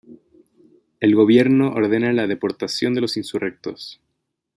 El gobierno ordena la deportación de los insurrectos.